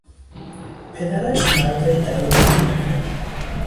پدرش مرد درون بینی بود.